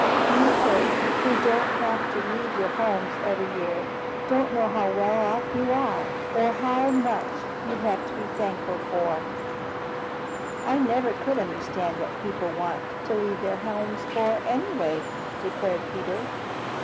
You folks who don't have to leave your homes every year don't know how well off you are or how much you have to be thankful for." "I never could understand what people want to leave their homes for, anyway," declared Peter.